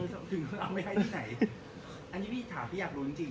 อือที่เรามีให้ที่ไหนอันที่พี่ถามพี่อยากรู้จริง